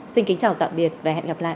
xin kính chào tạm biệt và hẹn gặp lại